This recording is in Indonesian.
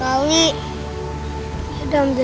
kan masih ada kita